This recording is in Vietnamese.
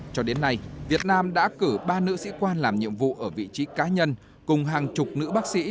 cho đến nay việt nam đã cử ba nữ sĩ quan làm nhiệm vụ ở vị trí cá nhân cùng hàng chục nữ bác sĩ